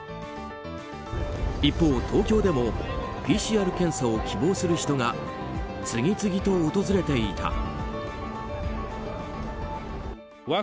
一方、東京でもＰＣＲ検査を希望する人が次々と訪れていた。